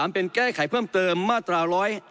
เป็นแก้ไขเพิ่มเติมมาตรา๑๑